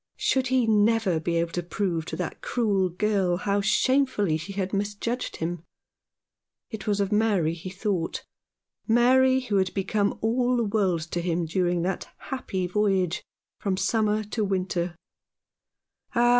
Should he never be able to prove to that cruel girl how shamefully she had misjudged him ? It was of Mary he thought — Mary, who had become all the world to him during that happy voyage from summer to winter — ah!